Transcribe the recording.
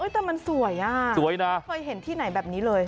แต่มันสวยอ่ะสวยนะเคยเห็นที่ไหนแบบนี้เลย